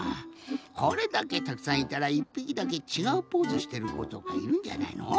これだけたくさんいたら１ぴきだけちがうポーズしてることかいるんじゃないの？